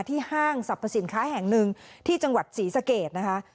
ห้างสรรพสินค้าแห่งหนึ่งที่จังหวัดศรีสะเกดนะคะ